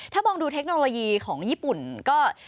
ถ้ามองดูเทคโนโลยีของญี่ปุ่นก็